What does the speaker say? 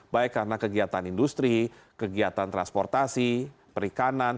baik karena kegiatan industri kegiatan transportasi perikanan